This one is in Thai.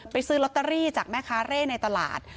ซื้อลอตเตอรี่จากแม่ค้าเร่ในตลาด